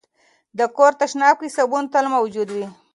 د کور تشناب کې صابون تل موجود وي.